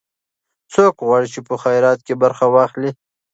څوک غواړي چې په خیرات کې برخه واخلي؟